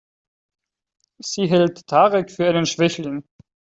Sie hält Tarek für einen Schwächling.